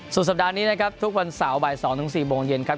สุดสัปดาห์นี้นะครับทุกวันเสาร์บ่ายสองถึงสี่โมงเย็นครับ